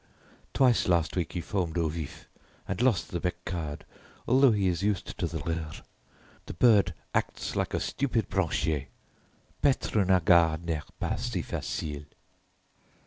Twice last week he foamed au vif and lost the beccade although he is used to the leurre. The bird acts like a stupid _branchier. Paître un hagard n'est pas si facile."